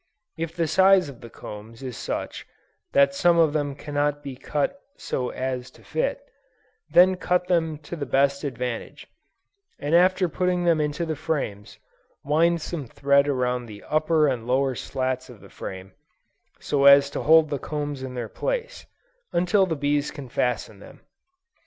If the size of the combs is such, that some of them cannot be cut so as to fit, then cut them to the best advantage, and after putting them into the frames, wind some thread around the upper and lower slats of the frame, so as to hold the combs in their place, until the bees can fasten them.